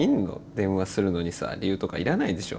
電話するのにさ理由とか要らないでしょ。